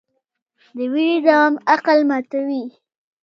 د ویرې دوام عقل ماتوي.